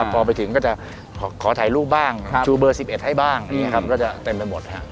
พอไปถึงก็จะขอถ่ายรูปบ้างชูเบอร์๑๑ให้บ้างอย่างนี้ครับก็จะเต็มไปหมดครับ